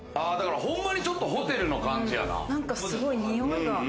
ほんまにちょっとホテルの感じやな。